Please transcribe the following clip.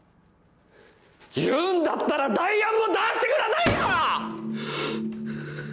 言うんだったら代案も出してくださいよ！！